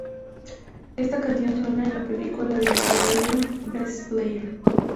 Esta canción suena en la película de Nickelodeon Best Player.